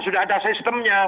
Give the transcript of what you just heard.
sudah ada sistemnya